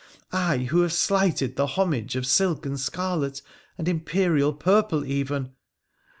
— I, who have slighted the homage of silk and scarlet, and Imperial purple even